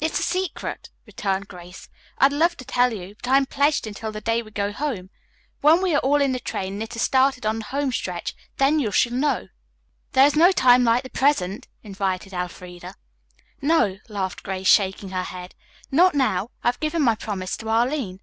"It's a secret," returned Grace. "I'd love to tell you, but I am pledged until the day we go home. When we are all in the train and it has started on the home stretch then you shall know." "There is no time like the present," invited Elfreda. "No," laughed Grace, shaking her head. "Not now. I have given my promise to Arline."